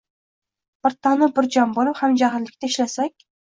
Bir tanu bir jon boʻlib, hamjihatlikda ishlasak.